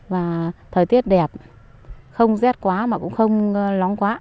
và thời tiết đẹp không rét quá mà cũng không lóng quá